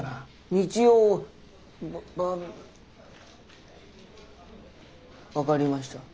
日曜バ分かりました。